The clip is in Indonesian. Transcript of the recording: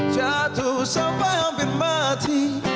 jatuh sampai hampir mati